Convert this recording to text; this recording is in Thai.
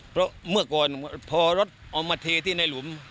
เพราะเมื่อก่อนพอรถเอามาเทที่ในหลุม